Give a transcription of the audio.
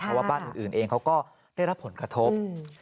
เพราะว่าบ้านอื่นเองเขาก็ได้รับผลกระทบ